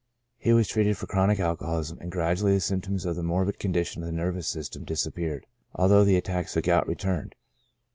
He was treated for chronic alcoholism, and gradually the symptoms of the morbid condition of the nervous system disappeared, al though the attacks of gout returned.